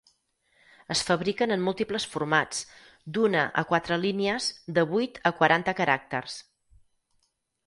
Es fabriquen en múltiples formats, d'una a quatre línies de vuit a quaranta caràcters.